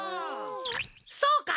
そうか！